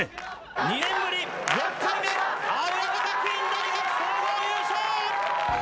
２年ぶり６回目、青山学院大学総合優勝！